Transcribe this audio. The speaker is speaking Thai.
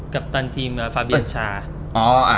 กัปตันทีมฟาเบียนชา